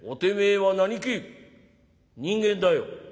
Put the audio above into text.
「人間だよ」。